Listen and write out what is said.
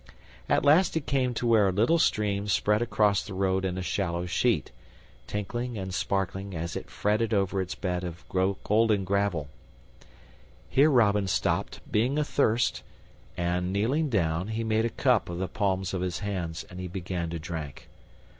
At last he came to where a little stream spread across the road in a shallow sheet, tinkling and sparkling as it fretted over its bed of golden gravel. Here Robin stopped, being athirst, and, kneeling down, he made a cup of the palms of his hands, and began to drink.